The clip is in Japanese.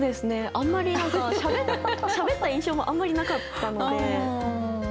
あんまり何かしゃべった印象もあんまりなかったので。